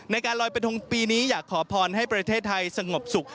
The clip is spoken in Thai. ในการลอยกระทงปีนี้อยากขอพรให้ประเทศไทยสงบสุข